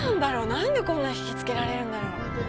何でこんなに引きつけられるんだろう？